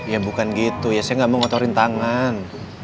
ya bukan gitu ya saya gak mau ngotorin tangan